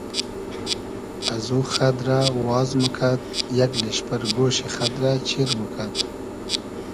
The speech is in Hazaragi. از او خئد رۂ واز موکئد یئگ لیشپئر گۉشی خئد رۂ چیر موکئد